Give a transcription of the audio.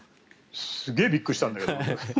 すげえびっくりしたんだけど。